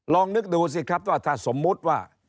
ลองนึกดูสิครับว่าถ้าสมมุติว่า